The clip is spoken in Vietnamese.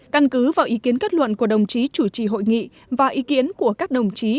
căn cứ vào ý kiến kết luận của đồng chí chủ trì hội nghị và ý kiến của các đồng chí